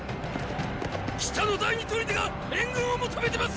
北の第二砦が援軍を求めてます！